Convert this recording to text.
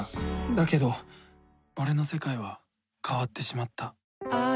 だけど俺の世界は変わってしまった。